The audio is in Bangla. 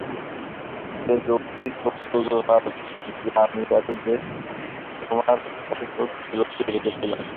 যে কোনটিই সত্য অজুহাত যে আমি এতদিন তোমার কাছে সত্য লুকিয়ে রেখেছিলাম।